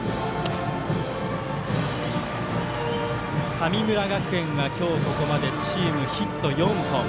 神村学園は、今日ここまでチーム、ヒット４本。